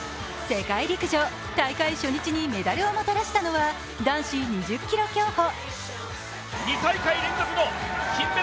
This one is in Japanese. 世界陸上大会初日にメダルをもたらしたのは男子２０ｋｍ競歩。